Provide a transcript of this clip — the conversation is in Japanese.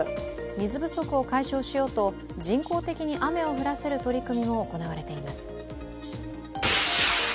水不足を解消しようと、人工的に雨を降らせる取り組みも行われています。